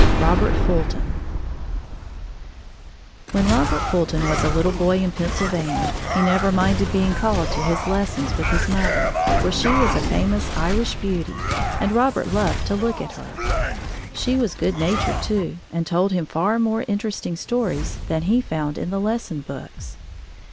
ROBERT FULTON When Robert Fulton was a little boy in Pennsylvania, he never minded being called to his lessons with his mother, for she was a famous Irish beauty, and Robert loved to look at her. She was good natured too and told him far more interesting stories than he found in the lesson books.